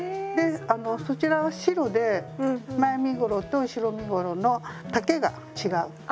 であのそちらは白で前身ごろと後ろ身ごろの丈が違う。